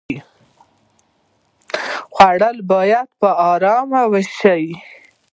خوړل باید په آرامۍ وشي